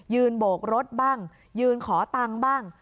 ยืนโบกรถบ้างยืนขอตังบ้าง